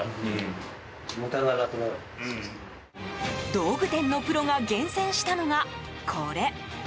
道具店のプロが厳選したのがこれ。